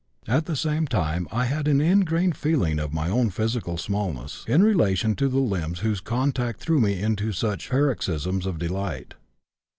At the same time I had an ingrained feeling of my own physical smallness in relation to the limbs whose contact threw me into such paroxysms of delight.